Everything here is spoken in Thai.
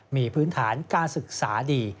มีพื้นฐานการศึกษาดี